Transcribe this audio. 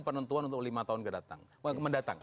penentuan untuk lima tahun mendatang